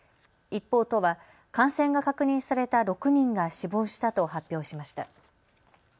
一方、都は感染が確認された６人が死亡したと発表しました。